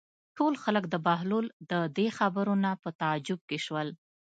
ټول خلک د بهلول د دې خبرو نه په تعجب کې شول.